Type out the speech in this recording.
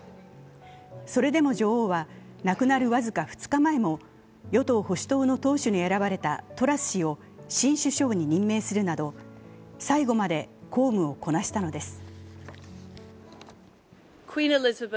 それでも女王は、亡くなる僅か２日前も与党・保守党の党首に選ばれたトラス氏を新首相に任命するなど最後まで公務をこなしたのです。